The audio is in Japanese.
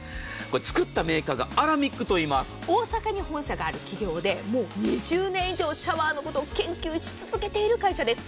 作ったメーカーがアラミックといいます大阪に本社がある企業でもう２０年以上シャワーのことを研究し続けている会社です。